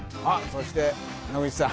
そして野口さん